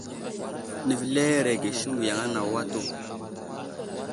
Nəveleerege siŋgu yaŋ anawo atu.